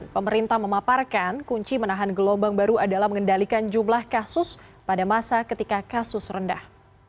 pemerintah memaparkan kunci menahan gelombang baru adalah mengendalikan jumlah kasus pada masa ketika kasus rendah